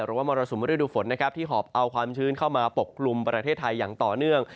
มรสุมฤดูฝนนะครับที่หอบเอาความชื้นเข้ามาปกกลุ่มประเทศไทยอย่างต่อเนื่อง